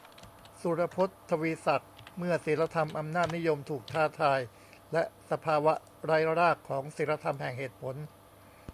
สุรพศ ทวีศักดิ์ "เมื่อศีลธรรมอำนาจนิยมถูกท้าทาย และสภาวะไร้รากของศีลธรรมแห่งเหตุผล "